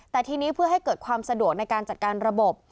แต่ทีนี้เพื่อให้เกิดความสะดวกในการจัดการระบบ